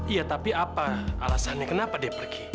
iya tapi apa alasannya kenapa dia pergi